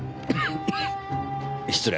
失礼。